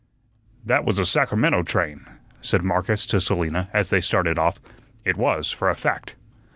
"That was a Sacramento train," said Marcus to Selina as they started off; "it was, for a fact."